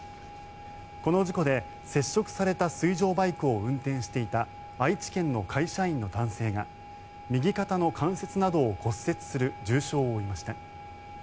この事故で、接触された水上バイクを運転していた愛知県の会社員の男性が右肩の関節などを骨折する重傷を負いました。